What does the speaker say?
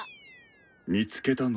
見つけたの？